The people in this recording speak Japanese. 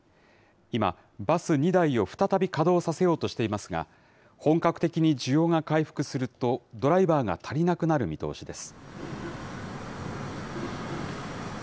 今、バス２台を再び稼働させようとしていますが、本格的に需要が回復するとドライバーが足りなくなる見通しです。